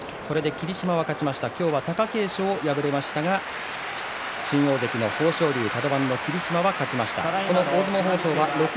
今日は貴景勝が敗れましたが新大関の豊昇龍とカド番の霧島は勝ちました。